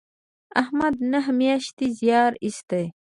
احمد نهه میاشتې زیار ایست.